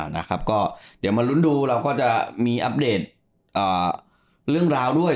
นะครับก็เดี๋ยวมาลุ้นดูเราก็จะมีอัปเดตเรื่องราวด้วย